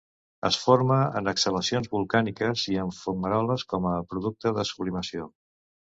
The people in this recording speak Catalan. Es forma en exhalacions volcàniques i en fumaroles com a producte de sublimació.